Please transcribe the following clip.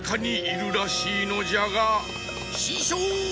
ししょう！